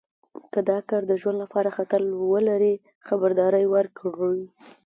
که دا کار د ژوند لپاره خطر ولري خبرداری ورکړئ.